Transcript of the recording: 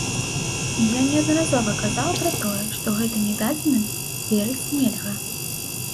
І я неаднаразова казаў пра тое, што гэтымі дадзеным верыць нельга.